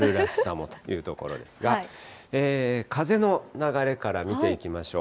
少しずつ春らしさをというところですが、風の流れから見ていきましょう。